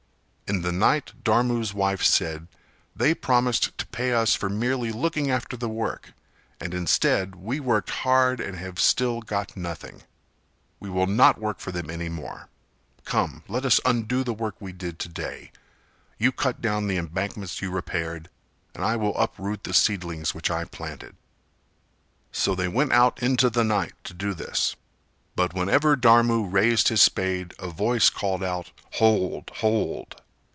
In the night Dharmu's wife said "They promised to pay us for merely looking after the work and instead, we worked hard and have still got nothing. We will not work for them anymore; come, let us undo the work we did to day, you cut down the embankments you repaired, and I will uproot the seedlings which I planted." So they went out into the night to do this. But whenever Dharmu raised his spade a voice called out "Hold, hold!"